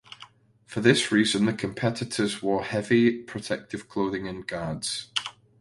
For this reason the competitors wore heavy protective clothing and guards.